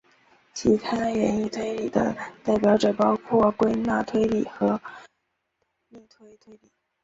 其他演绎推理的替代者包括归纳推理和逆推推理。